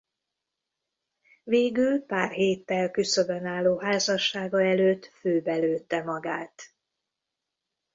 Végül pár héttel küszöbön álló házassága előtt főbe lőtte magát.